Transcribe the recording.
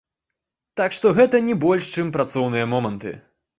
Так што гэта не больш чым працоўныя моманты.